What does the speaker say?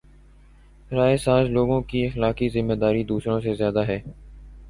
رائے ساز لوگوں کی اخلاقی ذمہ داری دوسروں سے زیادہ ہے۔